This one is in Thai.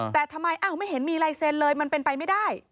แต่ทำไมไม่เห็นมีลายเซ็นเลยมันเป็นไปไม่ได้